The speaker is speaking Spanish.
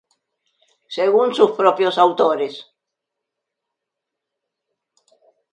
Según sus propios autores.